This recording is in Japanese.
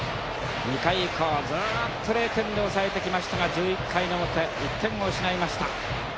２回以降ずっと０点で抑えてきましたが１１回の表１点を失いました。